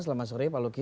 selamat sore pak luki